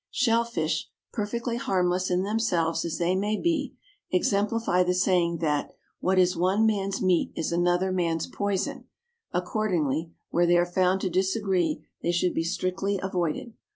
Shell fish, perfectly harmless in themselves as they may be, exemplify the saying that "what is one man's meat is another man's poison;" accordingly, where they are found to disagree they should be strictly avoided.